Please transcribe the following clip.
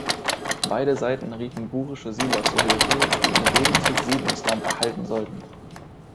Beide Seiten riefen burische Siedler zu Hilfe, die im Gegenzug Siedlungsland erhalten sollten.